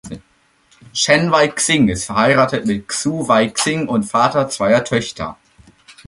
Chen Weixing ist verheiratet mit Xue Weixing und Vater zweier Töchter.